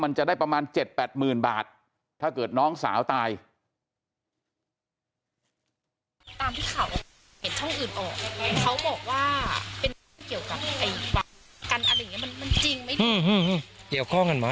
มันจะได้ประมาณ๗๘๐๐๐บาทถ้าเกิดน้องสาวตาย